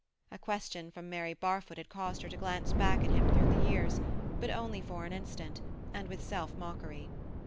A question from Mary Barfoot had caused her to glance back at him across the years, but only for an instant, and with self mockery.